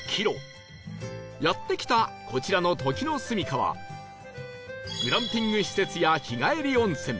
やって来たこちらの時之栖はグランピング施設や日帰り温泉